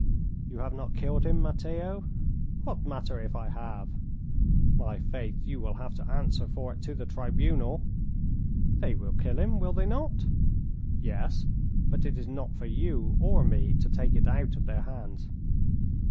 "You have not killed him, Matteo?" "What matter if I have?" "My faith, you will have to answer for it to the tribunal." "They will kill him, will they not?" "Yes, but it is not for you or me to take it out of their hands."